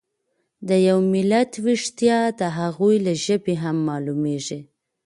د یو ملت ويښتیا د هغوی له ژبې هم مالومیږي.